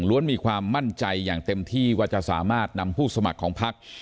มีความมั่นใจอย่างเต็มที่ว่าจะสามารถนำผู้สมัครของพัก